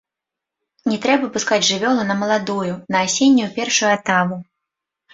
Не трэба пускаць жывёлу на маладую, на асеннюю першую атаву.